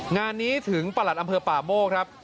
งานนี้ถึงประหลัดอำเภอป่าโมกครับ